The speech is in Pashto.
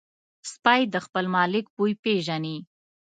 سپي د خپل مالک بوی پېژني.